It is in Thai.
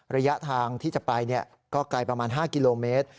ระยะทางที่จะไปก็ไกลประมาณ๕กิโลเมตร